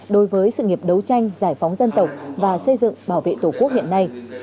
đối với sự nghiệp đấu tranh giải phóng dân tộc và xây dựng bảo vệ tổ quốc hiện nay